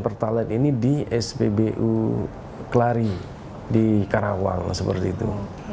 pertalite ini di spbu kelari di karawang seperti itu